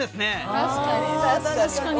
あ確かに。